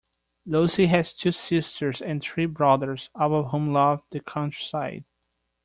Lucy has two sisters and three brothers, all of whom love the countryside